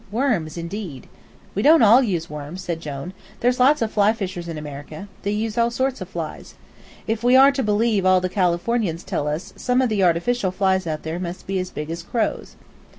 Worms, indeed!" "We don't all use worms," said Jone; "there's lots of fly fishers in America, and they use all sorts of flies. If we are to believe all the Californians tell us some of the artificial flies out there must be as big as crows."